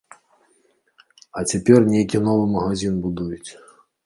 А цяпер нейкі новы магазін будуюць.